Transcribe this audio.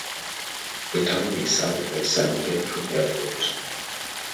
The town is served by San Pedro Airport.